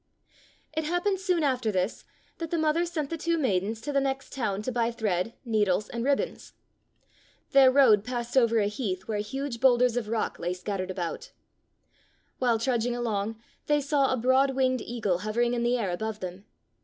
It happened soon after this that the mother sent the two maidens to the next town to buy thread, needles, and ribbons. Their road passed over a heath where huge 44 Fairy Tale Bears boulders of rock lay scattered about. While trudging along they saw a broad winged eagle hovering in the air above them.